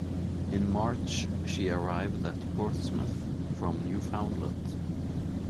In March she arrived at Portsmouth from Newfoundland.